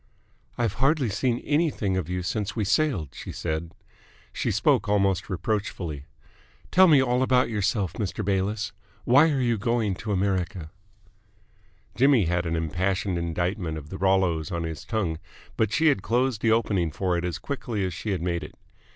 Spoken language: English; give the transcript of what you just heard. "I've hardly seen anything of you since we sailed," she said. She spoke almost reproachfully. "Tell me all about yourself, Mr. Bayliss. Why are you going to America?" Jimmy had had an impassioned indictment of the Rollos on his tongue, but she had closed the opening for it as quickly as she had made it.